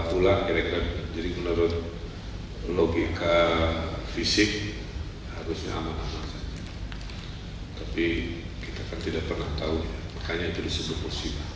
bulan kerekat jadi menurut logika fisik harusnya aman aman tapi kita kan tidak pernah tahu